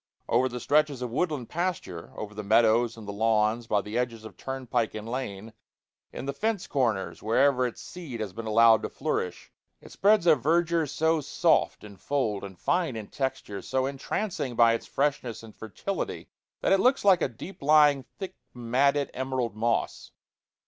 Over the stretches of woodland pasture, over the meadows and the lawns, by the edges of turnpike and lane, in the fence corners wherever its seed has been allowed to flourish it spreads a verdure so soft in fold and fine in texture, so entrancing by its freshness and fertility, that it looks like a deep lying, thick matted emerald moss.